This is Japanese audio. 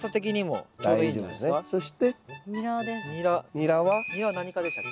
ニラは何科でしたっけ？